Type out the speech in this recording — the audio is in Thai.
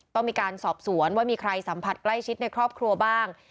ต้องมีการสอบสวนว่ามีใครสัมผัสใกล้ชิดในครอบครัวบ้าง